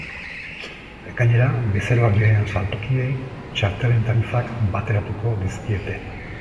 Gainera, bezeroak diren saltokiei txartelen tarifak bateratuko dizkiete.